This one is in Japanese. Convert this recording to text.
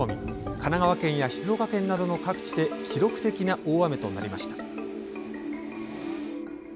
神奈川県や静岡県などの各地で記録的な大雨となりました。